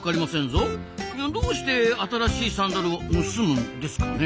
どうして新しいサンダルを盗むんですかね？